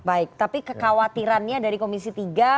baik tapi kekhawatirannya dari komisi tiga